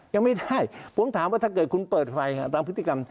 ยังไม่ได้ผมถามว่าถ้าเกิดคุณเปิดไฟตามพฤติกรรม